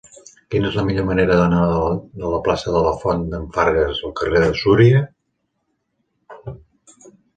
Quina és la millor manera d'anar de la plaça de la Font d'en Fargues al carrer de Súria?